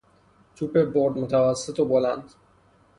توپ برد متوسط و بلند